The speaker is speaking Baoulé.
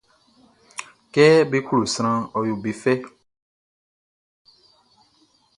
Kɛ be klo sranʼn, ɔ yo be fɛ.